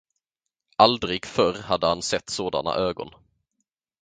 Aldrig förr hade han sett sådana ögon.